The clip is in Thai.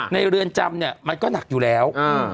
ในเรือนจำมันก็หนักอยู่แล้ว